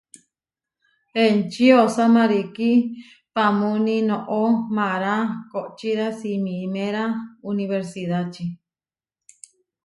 Enči osá marikí paamúni noʼo mará kohčíra simiméra unibersidáči.